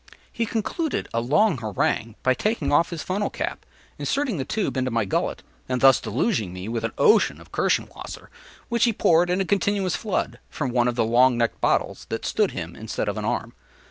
He concluded a long harangue by taking off his funnel cap, inserting the tube into my gullet, and thus deluging me with an ocean of Kirschenwässer, which he poured, in a continuous flood, from one of the long necked bottles that stood him instead of an arm.